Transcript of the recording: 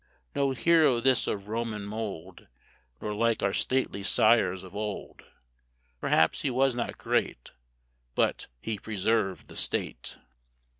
No hero this of Roman mould, Nor like our stately sires of old: Perhaps he was not great, But he preserved the State!